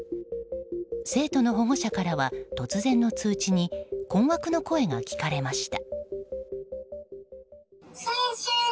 生徒の保護者からは突然の通知に困惑の声が聞かれました。